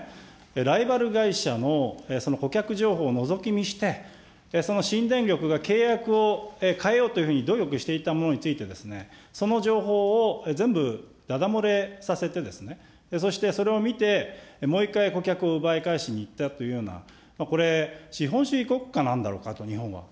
ライバル会社のその顧客情報をのぞき見して、その新電力が契約を変えようというふうに努力していたものについて、その情報を全部、だだ洩れさせて、そしてそれを見て、もう一回顧客を奪い返しにいったというような、これ、資本主義国家なんだろうかと、日本は。